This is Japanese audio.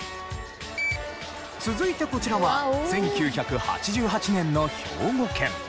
続いてこちらは１９８８年の兵庫県。